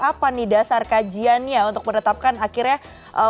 apa nih dasar kajiannya untuk menetapkan akhirnya